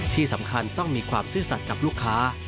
ที่สำคัญต้องมีความซื่อสัตว์กับลูกค้า